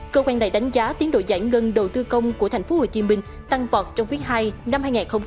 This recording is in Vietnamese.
cơ quan này đánh giá tiến độ giải ngân đầu tư công của tp hcm tăng vọt trong quý ii năm hai nghìn hai mươi bốn